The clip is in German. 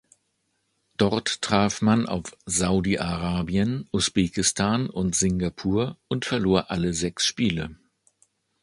Dort traf man auf Saudi-Arabien, Usbekistan und Singapur und verlor alle sechs Spiele.